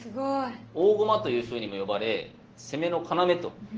「大駒」というふうにも呼ばれ攻めの要となる駒の一つです。